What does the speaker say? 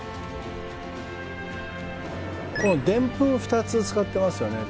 でんぷん２つ使ってますよね